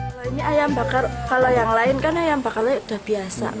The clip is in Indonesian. kalau ini ayam bakar kalau yang lain kan ayam bakarnya udah biasa